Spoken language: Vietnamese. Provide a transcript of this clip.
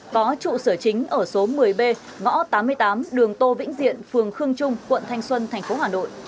có trụ sở chính ở số một mươi b ngõ tám mươi tám đường tô vĩnh diện phường khương trung quận thanh xuân tp hà nội